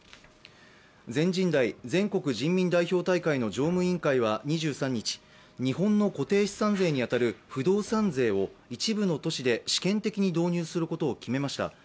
全人代＝全国人民代表大会常務委員会は２３日日本の固定資産税に当たる不動産税を一部の都市で試験的に導入することを決めました。